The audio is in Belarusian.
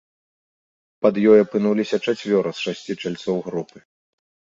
Пад ёй апынуліся чацвёра з шасці чальцоў групы.